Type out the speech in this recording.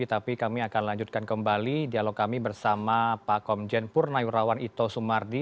tapi kami akan lanjutkan kembali dialog kami bersama pak komjen purna yurawan ito sumardi